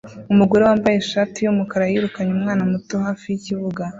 Umugore wambaye ishati yumukara yirukanye umwana muto hafi yikibuga